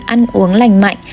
ăn uống lành mạnh